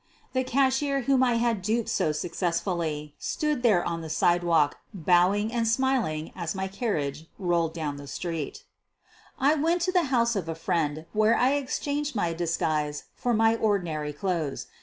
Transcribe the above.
The cashier whom I had duped so successfully stood there on the sidewalk bowing and smiling as my carriage rolled down the street. 224 SOPHIE LYONS I went to the house of a friend, where I exchanged my disguise for my ordinary clothes.